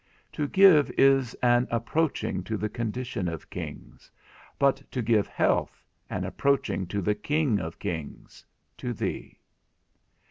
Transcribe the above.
To give is an approaching to the condition of kings, but to give health, an approaching to the King of kings, to thee.